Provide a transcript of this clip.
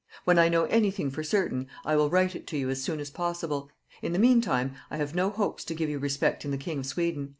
When I know any thing for certain, I will write it to you as soon as possible; in the mean time I have no hopes to give you respecting the king of Sweden."